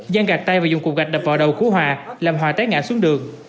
giang gạt tay và dùng cục gạch đập vào đầu cứu hòa làm hòa té ngã xuống đường